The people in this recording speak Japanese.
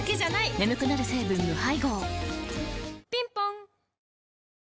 眠くなる成分無配合ぴんぽん